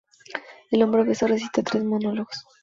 El hombre obeso recita tres monólogos.